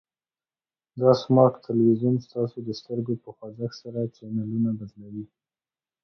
دا سمارټ تلویزیون ستاسو د سترګو په خوځښت سره چینلونه بدلوي.